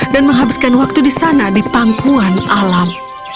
dan menghabiskan waktu di sana di pangkuan alam